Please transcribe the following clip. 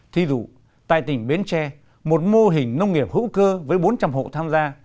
thí dụ tại tỉnh bến tre một mô hình nông nghiệp hữu cơ với bốn trăm linh hộ tham gia